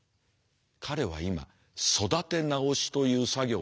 彼は今育て直しという作業のただ中だ。